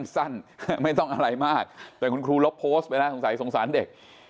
สั้นไม่ต้องอะไรมากแต่คุณครูลบโพสต์ไปนะสงสัยสงสารเด็ก